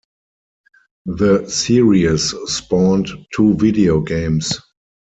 The series spawned two video games.